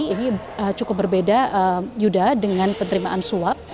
ini cukup berbeda yuda dengan penerimaan suap